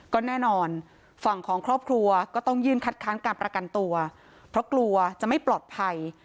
ก็แน่นอนฝั่งของครอบครัวก็ต้องยื่นคัดค้านการประกันตัวเพราะกลัวจะไม่ปลอดภัย